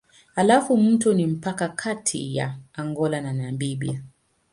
Halafu mto ni mpaka kati ya Angola na Namibia.